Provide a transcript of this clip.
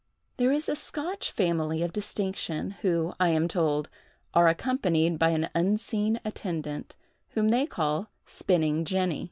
There is a Scotch family of distinction, who, I am told, are accompanied by an unseen attendant, whom they call "Spinning Jenny."